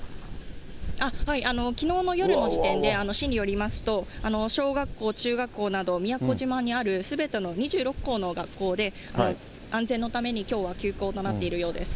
きのうの夜の時点で、市によりますと、小学校、中学校など、宮古島にあるすべての２６校の学校で、安全のためにきょうは休校となっているようです。